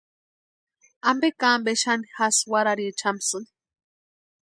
¿Ampe ka ampe xani jasï warharicha jamsïni.